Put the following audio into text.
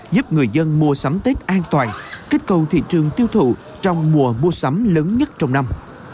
giúp người dân mua sắm tết an toàn kích cầu thị trường tiêu thụ trong mùa mua sắm lớn nhất trong năm